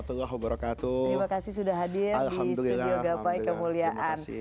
terima kasih sudah hadir di studio gapai kemuliaan